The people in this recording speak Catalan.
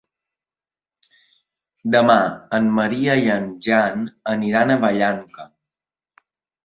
Demà en Maria i en Jan aniran a Vallanca.